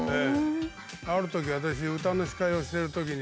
あるとき私歌の司会をしてるときに